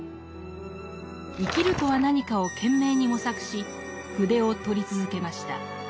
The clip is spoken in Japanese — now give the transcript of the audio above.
「生きるとは何か」を懸命に模索し筆を執り続けました。